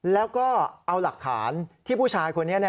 แล้วก็เอาหลักฐานที่ผู้ชายคนนี้